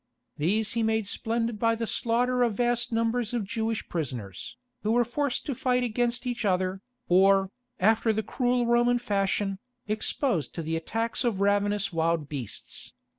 These he made splendid by the slaughter of vast numbers of Jewish prisoners, who were forced to fight against each other, or, after the cruel Roman fashion, exposed to the attacks of ravenous wild beasts.